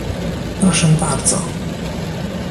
Proszę bardzo!